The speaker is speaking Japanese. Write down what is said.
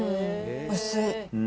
薄い。